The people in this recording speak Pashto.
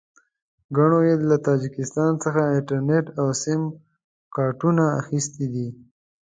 ګڼو یې له تاجکستان څخه انټرنېټ او سیم کارټونه اخیستي دي.